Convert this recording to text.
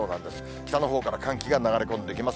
北のほうから寒気が流れ込んできます。